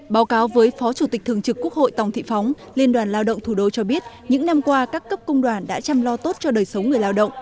báo cáo với phó chủ tịch thường trực quốc hội tòng thị phóng liên đoàn lao động thủ đô cho biết những năm qua các cấp công đoàn đã chăm lo tốt cho đời sống người lao động